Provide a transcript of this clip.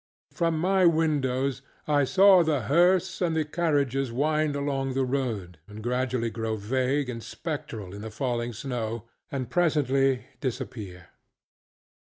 From my windows I saw the hearse and the carriages wind along the road and gradually grow vague and spectral in the falling snow, and presently disappear.